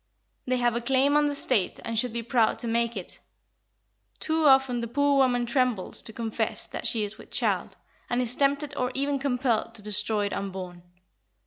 They have a claim on the State and should be proud to make it. Too often, the poor woman trembles to confess that she is with child, and is tempted or even compelled to destroy it unborn.